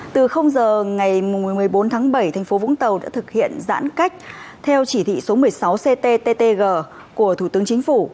từ giờ ngày một mươi bốn tháng bảy thành phố vũng tàu đã thực hiện giãn cách theo chỉ thị số một mươi sáu cttg của thủ tướng chính phủ